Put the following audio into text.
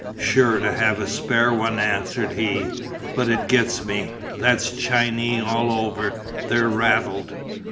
"Sure to have a spare one," answered he, "but it gets me, that's Chinee all over, they're rattled."